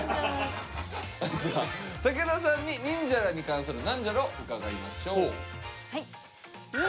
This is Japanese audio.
武田さんにニンジャラに関するナンジャラを伺いましょう。